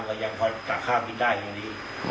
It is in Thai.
ก็ยังพอตัดข้ามกินได้อย่างนี้